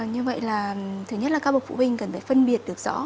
như vậy là thứ nhất là các bậc phụ huynh cần phải phân biệt được rõ